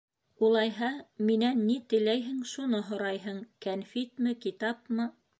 — Улайһа, минән ни теләйһең, шуны һорайһың: кәнфитме, китапмы...